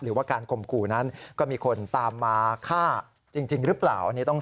หรือว่าการข่มขู่นั้นก็มีคนตามมาฆ่าจริงหรือเปล่า